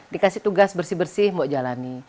dikasih tugas bersih bersih mau jalani